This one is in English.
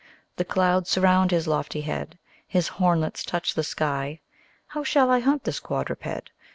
The clouds surround his lofty head, His hornlets touch the sky. How shall I hunt this quadruped?